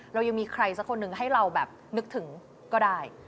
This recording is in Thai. เรายังมีใครสักคนหนึ่งให้เราแบบนึกถึงก็ได้